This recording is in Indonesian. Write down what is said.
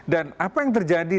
dan apa yang terjadi